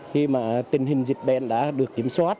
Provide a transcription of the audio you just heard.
khi mà tình hình dịch bệnh đã được kiểm soát